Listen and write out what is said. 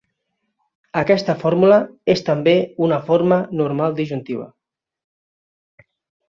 Aquesta fórmula és també una forma normal disjuntiva.